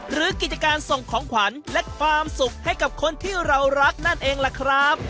กิจการส่งของขวัญและความสุขให้กับคนที่เรารักนั่นเองล่ะครับ